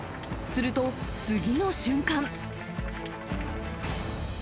すると、次の瞬間。